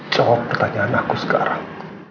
jawab pertanyaan aku sekarang